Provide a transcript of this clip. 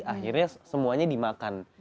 akhirnya semuanya dimakan